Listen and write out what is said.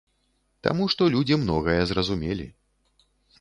Таму што людзі многае зразумелі.